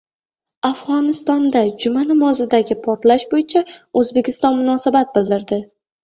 Afg‘onistonda juma namozidagi portlash bo‘yicha O‘zbekiston munosabat bildirdi